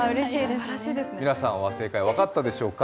皆さんは正解、分かったでしょうか。